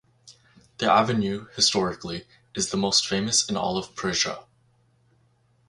The avenue, historically, is the most famous in all of Persia.